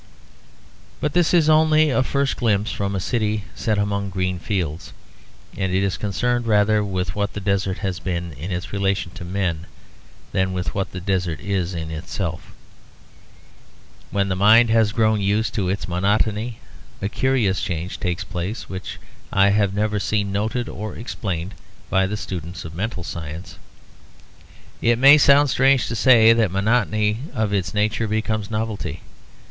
But this is only a first glimpse from a city set among green fields; and is concerned rather with what the desert has been in its relation to men than with what the desert is in itself. When the mind has grown used to its monotony, a curious change takes place which I have never seen noted or explained by the students of mental science. It may sound strange to say that monotony of its nature becomes novelty.